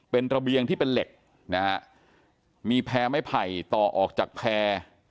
เป็นระเบียงที่เป็นเหล็กนะฮะมีแพร่ไม้ไผ่ต่อออกจากแพร่